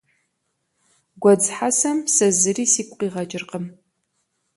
Гуэдз хьэсэм сэ зыри сигу къигъэкӀыркъым.